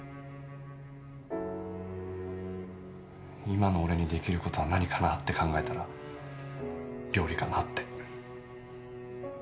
今の俺にできる事は何かなって考えたら料理かなって。